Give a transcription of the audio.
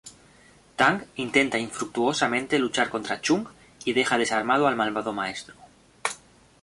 Tang intenta infructuosamente luchar contra Chung y deja desarmado al malvado maestro.